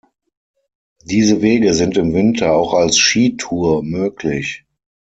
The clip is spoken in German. Diese Wege sind im Winter auch als Skitour möglich.